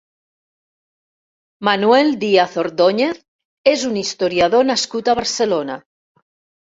Manuel Díaz Ordóñez és un historiador nascut a Barcelona.